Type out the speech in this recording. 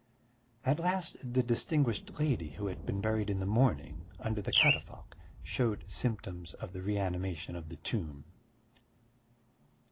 At last the distinguished lady who had been buried in the morning under the catafalque showed symptoms of the reanimation of the tomb.